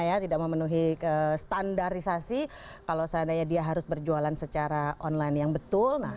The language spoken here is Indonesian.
ya tidak memenuhi standarisasi kalau seandainya dia harus berjualan secara online yang betul